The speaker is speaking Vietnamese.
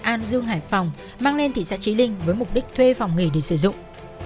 an dương hải phòng mang lên thị xã trí linh với mục đích thuê phòng nghề để sử dụng